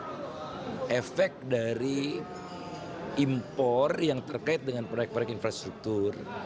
ada efek dari impor yang terkait dengan produk produk infrastruktur